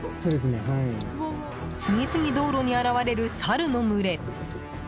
次々、道路に現れるサルの群れ。